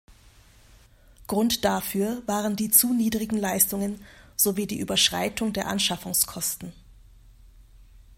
Grund dafür waren die zu niedrigen Leistungen sowie die Überschreitung der Anschaffungskosten.